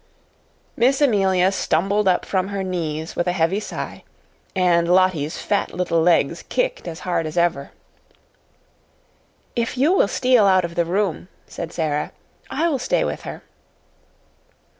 Miss Amelia stumbled up from her knees with a heavy sigh, and Lottie's fat little legs kicked as hard as ever. "If you will steal out of the room," said Sara, "I will stay with her."